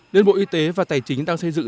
liên bộ y tế và tài chính đang xây dựng